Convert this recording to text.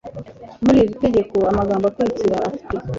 muri iri tegeko amagambo akurikira afite